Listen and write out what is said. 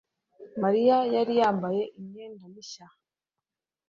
Mariya yari yambaye imyenda ye mishya